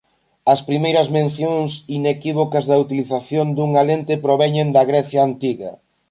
As primeiras mencións inequívocas da utilización dunha lente proveñen da Grecia antiga.